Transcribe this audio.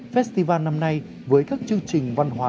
festival năm nay với các chương trình văn hóa